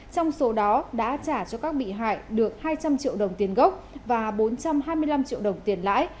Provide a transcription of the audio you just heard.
trong số đó đã trả cho các bị hại được hai trăm linh triệu đồng tiền gốc và bốn trăm hai mươi năm triệu đồng tiền lãi